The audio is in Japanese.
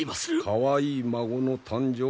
かわいい孫の誕生